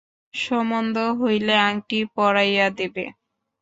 সোমোন্দ হইলে আংটি পরাইয়া দেবে।